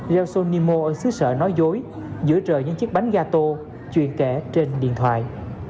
reo sonimo ở sứ sợ nói dối giữa trời những chiếc bánh gà tô truyền kể trên điện thoại